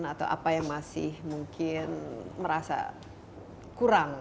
atau apa yang masih mungkin merasa kurang